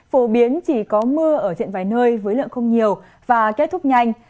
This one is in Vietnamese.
phổ biến chỉ có mưa ở diện vài nơi với lượng không nhiều và kết thúc nhanh